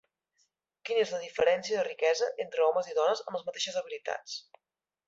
Quina és la diferència de riquesa entre homes i dones amb les mateixes habilitats?